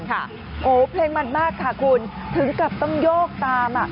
โอ้โหเพลงมันมากค่ะคุณถึงกับต้องโยกตาม